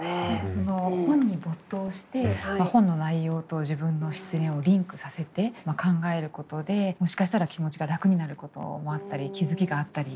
その本に没頭して本の内容と自分の失恋をリンクさせて考えることでもしかしたら気持ちが楽になることもあったり気付きがあったり。